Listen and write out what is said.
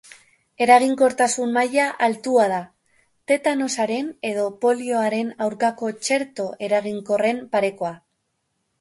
Eraginkortasun maila altua da, tetanosaren edo polioaren aurkako txerto eraginkorren parekoa.